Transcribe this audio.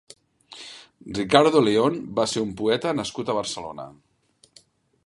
Ricardo León va ser un poeta nascut a Barcelona.